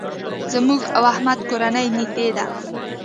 زموږ او احمد کورنۍ نېږدې ده.